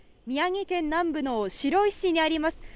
宮城県南部の白石にあります。